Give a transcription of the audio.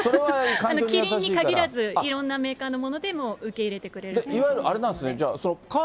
キリンに限らず、いろんなメーカーのものでも受け入れてくれいわゆるあれなんですね。